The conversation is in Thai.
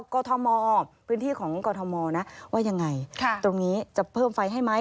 กรทมพื้นที่ของกรทมนะว่ายังไงตรงนี้จะเพิ่มไฟให้ไหม